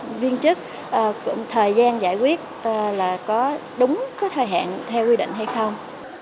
các chuyên chức cũng thời gian giải quyết là có đúng thời hạn theo quy định hay không